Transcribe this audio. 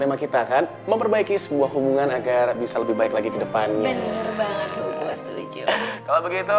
tema kita akan memperbaiki sebuah hubungan agar bisa lebih baik lagi kedepannya begitu